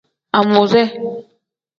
Amuuze.